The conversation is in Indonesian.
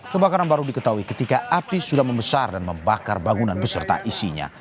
kebakaran baru diketahui ketika api sudah membesar dan membakar bangunan beserta isinya